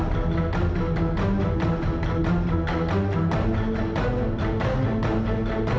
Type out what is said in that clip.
zekat yang pripadanya kita